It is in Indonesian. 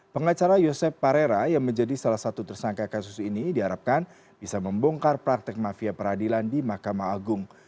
pengacara yosep parera yang menjadi salah satu tersangka kasus ini diharapkan bisa membongkar praktek mafia peradilan di mahkamah agung